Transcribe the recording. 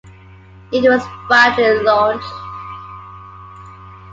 It was badly launched.